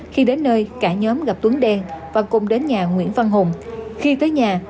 khi đến nơi cả nhóm gặp tuấn đen và cùng đến nhà nguyễn văn hùng